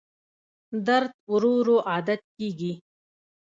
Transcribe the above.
درد ورو ورو عادت کېږي.